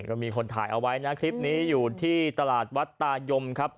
ก็มีคนถ่ายเอาไว้นะคลิปนี้อยู่ที่ตลาดวัดตายมครับ